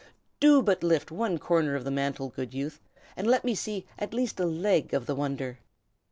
Do but lift one corner of the mantle, good youth, and let me see at least a leg of the wonder."